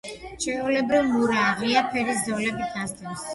ჩვეულებრივ მურაა, ღია ფერის ზოლები დასდევს.